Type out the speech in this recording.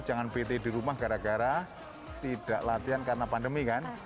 jangan bete di rumah gara gara tidak latihan karena pandemi kan